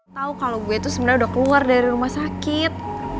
tau kalau gue itu sebenarnya udah keluar dari rumah sakit